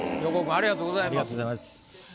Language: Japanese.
ありがとうございます。